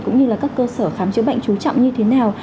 cũng như là các cơ sở khám chữa bệnh trú trọng như thế nào